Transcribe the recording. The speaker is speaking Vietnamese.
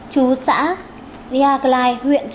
chú xã diaglai